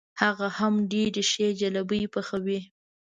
هغه هم ډېرې ښې جلبۍ پخوي.